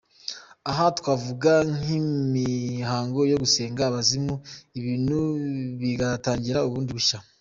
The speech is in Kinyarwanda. Aha twavuga nk’imihango yo gusenda abazimu, ibintu bigatangira bundi bushya.